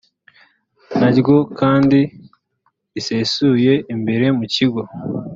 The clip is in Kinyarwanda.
nyaryo kandi risesuye imbere mu kigo